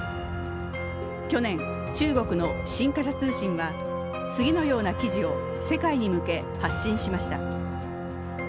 去年、中国の新華社通信は次のような記事を世界に向け発信しました。